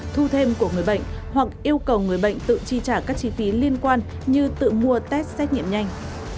thu thêm của người bệnh hoặc yêu cầu người bệnh tự chi trả các chi phí liên quan như tự mua test xét nghiệm nhanh